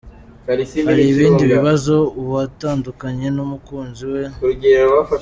Hari ibindi bibabaza uwatandukanye n’umukunzi we.